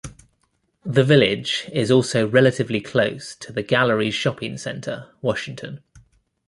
The village is also relatively close to The Galleries Shopping Centre, Washington.